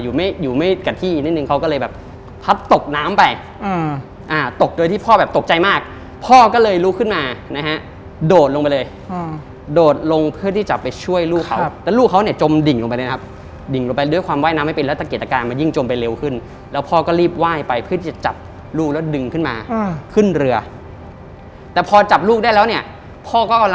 อืมอ่าตกโดยที่พ่อแบบตกใจมากพ่อก็เลยลุกขึ้นมานะฮะโดดลงไปเลยอืมโดดลงเพื่อที่จะไปช่วยลูกเขาครับแล้วลูกเขาเนจมดิ่งลงไปเลยนะครับดิ่งลงไปด้วยความว่ายน้ำไม่เป็นแล้วตะเกียจตะกายมันยิ่งจมไปเร็วขึ้นแล้วพ่อก็รีบว่ายไปเพื่อที่จะจับลูกแล้วดึงขึ้นมาอืมขึ้นเรือแต่พอจับลูกได้แล้วเนี่ยพ